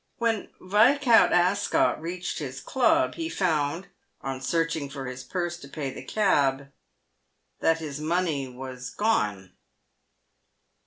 "When Viscount Ascot reached his club, he found, on searching for his purse to pay the cab, that his money was gone.